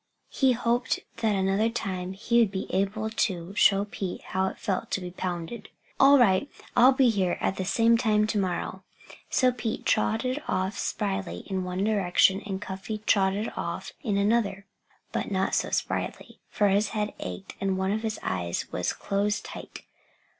He hoped that another time he would be able to show Pete how it felt to be pounded. "All right I'll be here at the same time to morrow." So Pete trotted off spryly in one direction; and Cuffy trotted off in another, but not quite so spryly, for his head ached and one of his eyes was closed tight.